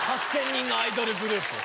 ⁉８０００人のアイドルグループ。